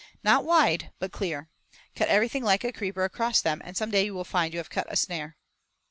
Not wide, but clear. Cut everything like a creeper across them and some day you will find you have cut a snare."